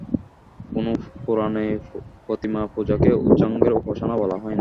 কোন পুরাণেই প্রতিমাপূজাকে উচ্চাঙ্গের উপাসনা বলা হয় নাই।